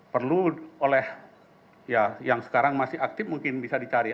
perlu oleh ya yang sekarang masih aktif mungkin bisa dicari